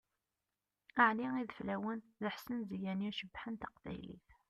Ɛli Ideflawen d Ḥsen Ziyani cebbḥen taqbaylit!